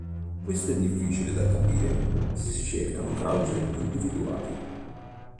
Questo è difficile da capire se si cercano cause individuali.